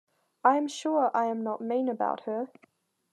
I am sure I am not mean about her.